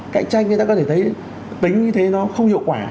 cạnh tranh người ta có thể thấy tính như thế nó không hiệu quả